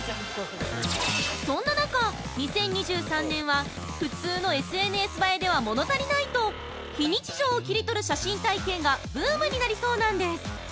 ◆そんな中、２０２３年は「普通のＳＮＳ映えでは物足りない」と非日常を切り取る写真体験がブームになりそうなんです！